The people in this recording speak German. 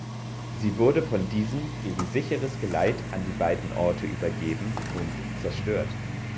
Sie wurde von diesem gegen sicheres Geleit an die beiden Orte übergeben und zerstört.